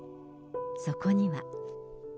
そこには。